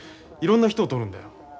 いろんな人を撮るんだよ。